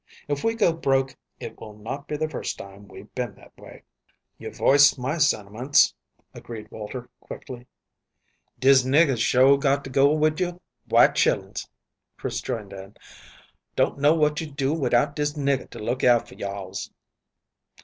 If we go broke, it will not be the first time we've been that way." "You've voiced my sentiments," agreed Walter, quickly. "Dis nigger's sho' got to go wid you white chillens," Chris joined in. "Don't know what you'd do widout dis nigger to look out for you alls."